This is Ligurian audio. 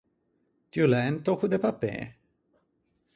Ti ô l’æ un tòcco de papê?